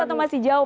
atau masih jauh